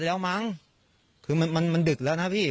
แล้วมั้งคือมันมันดึกแล้วนะพี่